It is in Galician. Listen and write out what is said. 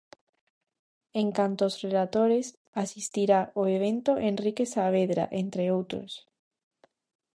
En canto aos relatores, asistirá ao evento Enrique Saavedra, entre outros.